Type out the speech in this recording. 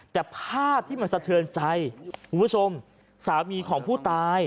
แต่ภาพที่มันสะเทือนใจคุณผู้ชมสามีของผู้ตาย